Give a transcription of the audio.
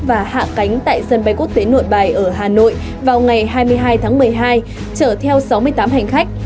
và hạ cánh tại sân bay quốc tế nội bài ở hà nội vào ngày hai mươi hai tháng một mươi hai chở theo sáu mươi tám hành khách